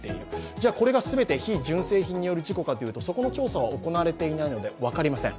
じゃあ、これが全て非純正品による事故かというとそこの調査は行われていないので分かりません。